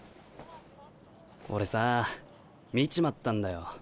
俺さあ見ちまったんだよ。